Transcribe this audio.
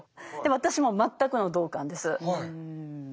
私も全くの同感です。